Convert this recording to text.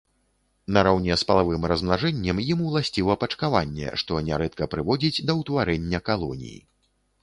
Нараўне з палавым размнажэннем ім уласціва пачкаванне, што нярэдка прыводзіць да ўтварэння калоній.